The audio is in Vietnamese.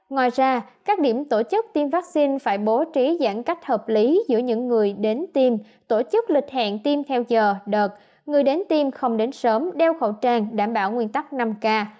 ngoài ra các điểm tổ chức tiêm vaccine phải bố trí giãn cách hợp lý giữa những người đến tiêm tổ chức lịch hẹn tiêm theo giờ đợt người đến tiêm không đến sớm đeo khẩu trang đảm bảo nguyên tắc năm k